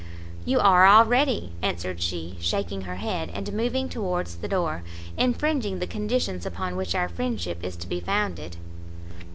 "You are already," answered she, shaking her head, and moving towards the door, "infringing the conditions upon which our friendship is to be founded."